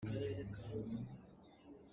Nihin cu chunhnu ah ruah a sur lai.